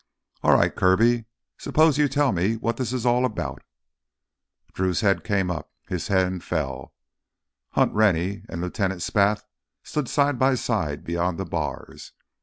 "All right, Kirby, suppose you tell me what this is all about!" Drew's head came up, his hand fell. Hunt Rennie and Lieutenant Spath stood side by side beyond the bars.